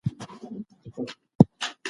خدیجې غوښتل چې لور یې کورني کارونه زده کړي.